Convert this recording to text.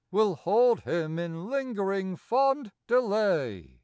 Will hold him in lingering fond delay.